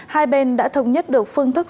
hai bên đã thống nhất được phương thức